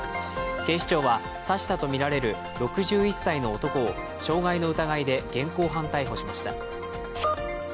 警視庁は、刺したとみられる６１歳の男を傷害の疑いで現行犯逮捕しました。